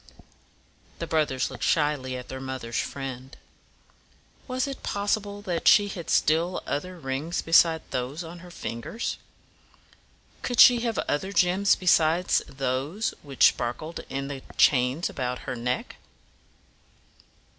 The brothers looked shyly at their mother's friend. Was it possible that she had still other rings besides those on her fingers? Could she have other gems besides those which sparkled in the chains about her neck?